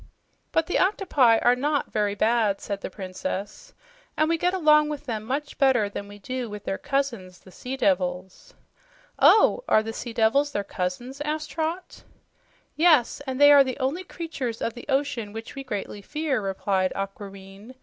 "But the octopi are not very bad," said the Princess, "and we get along with them much better than we do with their cousins, the sea devils." "Oh. Are the sea devils their cousins?" asked Trot. "Yes, and they are the only creatures of the ocean which we greatly fear," replied Aquareine.